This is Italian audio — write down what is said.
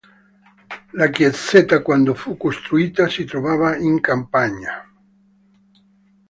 La chiesetta, quando fu costruita, si trovava in campagna.